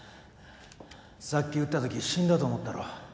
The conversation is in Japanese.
さっき撃ったとき死んだと思ったろ？